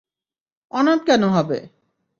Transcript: অনাথ কেন হবে!